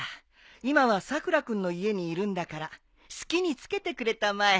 今はさくら君の家にいるんだから好きに付けてくれたまえ。